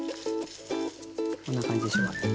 こんな感じでしょうか。